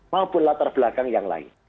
maupun latar belakang yang lain